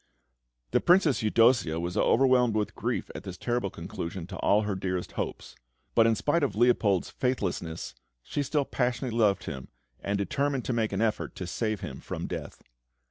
The Princess Eudossia was overwhelmed with grief at this terrible conclusion to all her dearest hopes; but, in spite of Leopold's faithlessness, she still passionately loved him, and determined to make an effort to save him from death.